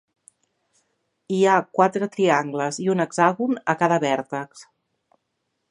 Hi ha quatre triangles i un hexàgon a cada vèrtex.